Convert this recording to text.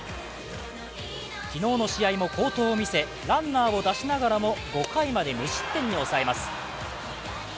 昨日の試合も好投を見せランナーを出しながらも５回まで無失点に抑えます。